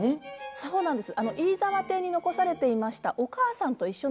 そうなんですよ。